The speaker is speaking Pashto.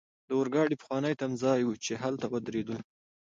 د اورګاډي پخوانی تمځای وو، چې هلته ودریدلو.